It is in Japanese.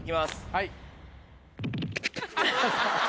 はい。